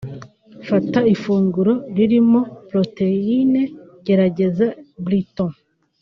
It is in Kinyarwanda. Fata ifunguro ririmo protein(gerageza Bistro